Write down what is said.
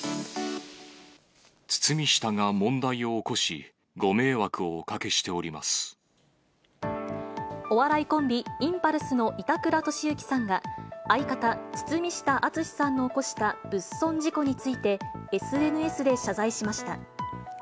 堤下が問題を起こし、ご迷惑お笑いコンビ、インパルスの板倉俊之さんが、相方、堤下敦さんの起こした物損事故について、ＳＮＳで謝罪しました。